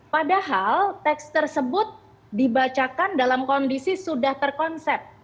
padahal teks tersebut dibacakan dalam kondisi sudah terkonsep